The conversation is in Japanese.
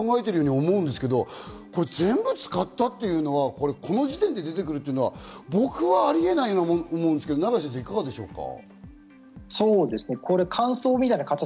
そうなると相当、用意周到に考えていると思うんですけど、全部使ったというのはこの時点で出てくるのは僕はありえないと思うんですけれども、いかがでしょうか？